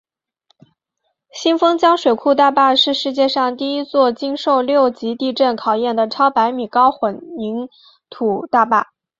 新丰江水库大坝是世界上第一座经受六级地震考验的超百米高混凝土大坝。